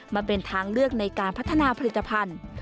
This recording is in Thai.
มาเป็นทางเลือกในการพัฒนาผลิตภัณฑ์